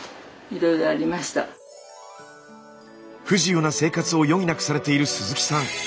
不自由な生活を余儀なくされている鈴木さん。